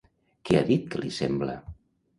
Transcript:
Què ha dit que li sembla?